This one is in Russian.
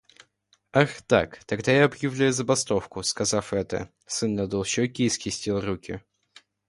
«Ах так? Тогда я объявляю забастовку!» — сказав это, сын надул щёки и скрестил руки.